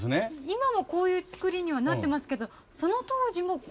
今もこういう作りにはなってますけどその当時もこうだったんですか？